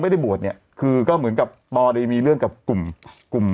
ไม่ได้บวชเนี่ยคือก็เหมือนกับปอได้มีเรื่องกับกลุ่มกลุ่ม